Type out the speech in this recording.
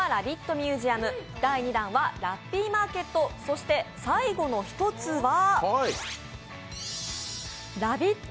ミュージアム、第２弾はラッピーマーケット、そして最後の１つは、ラヴィット！